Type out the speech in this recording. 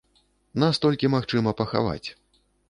Нас толькі магчыма пахаваць.